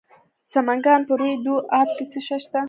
د سمنګان په روی دو اب کې څه شی شته؟